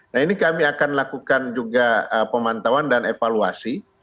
nah ini kami akan lakukan juga pemantauan dan evaluasi